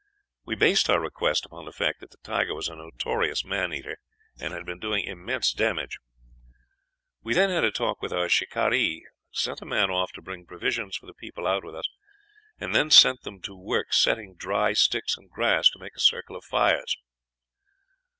"We based our request upon the fact that the tiger was a notorious man eater, and had been doing immense damage. We then had a talk with our shikaree, sent a man off to bring provisions for the people out with us, and then set them to work cutting dry sticks and grass to make a circle of fires.